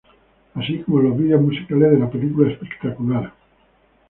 Así como en los videos musicales de la película "Spectacular!